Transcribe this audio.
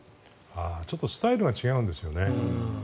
ちょっとスタイルが違うんですよね。